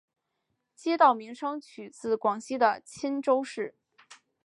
街道名称取自广西的钦州市。